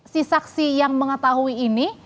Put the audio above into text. si saksi yang mengetahui ini